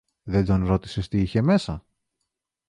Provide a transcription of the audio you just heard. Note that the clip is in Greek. Δεν τον ρώτησες τι είχε μέσα;